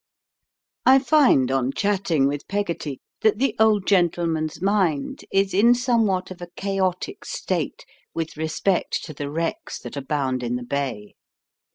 I find on chatting with Peggotty that the old gentleman's mind is in somewhat of a chaotic state with respect to the wrecks that abound in the bay.